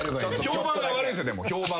評判が悪いんすよでも。